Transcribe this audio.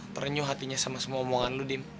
ternyuh hatinya sama semua omongan lo dim